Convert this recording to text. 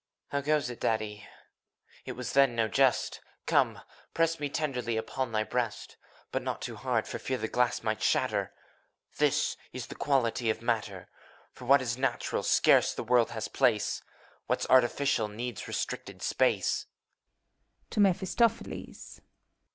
How goes it. Daddy? It was then no jest! Come, press me tenderly upon thy breast ! But not too hard, for fear the glass might shatter! This is the quality of matter : For what is natural, scarce the world has place; What's artificial, needs restricted space.